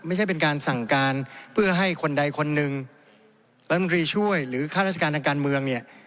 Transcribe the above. ไม่ใช่เป็นการสั่งการเพื่อให้คนใดคนหนึ่งรัฐมนตรีช่วยหรือข้าราชการทางการเมืองเนี่ย